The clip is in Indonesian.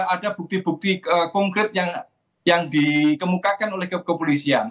ada bukti bukti konkret yang dikemukakan oleh kepolisian